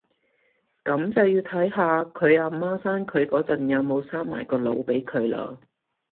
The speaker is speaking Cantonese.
噉就要睇下佢阿媽生佢嗰陣有冇生埋個腦俾佢喇